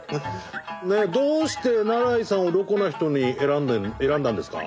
どうして那良伊さんをロコな人に選んだんですか？